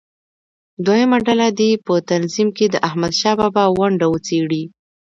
دویمه ډله دې په تنظیم کې د احمدشاه بابا ونډه وڅېړي.